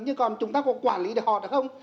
nhưng còn chúng ta có quản lý được họ được không